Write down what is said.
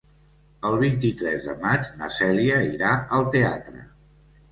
El vint-i-tres de maig na Cèlia irà al teatre.